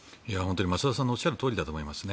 増田さんのおっしゃるとおりだと思います。